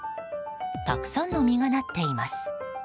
たくさんの実がなっています。